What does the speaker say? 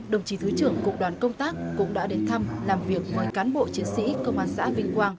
đồng chí thứ trưởng cục đoàn công tác cũng đã đến thăm làm việc với cán bộ chiến sĩ công an xã vinh quang